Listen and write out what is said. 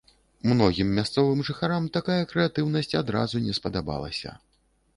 Многім мясцовым жыхарам такая крэатыўнасць адразу не спадабалася.